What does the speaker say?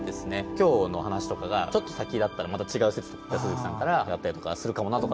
今日の話とかがちょっと先だったらまた違う説とか鈴木さんからあがったりとかするかもなとか。